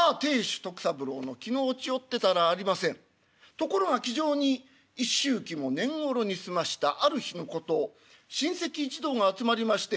ところが気丈に一周忌も懇ろに済ましたある日のこと親戚一同が集まりまして。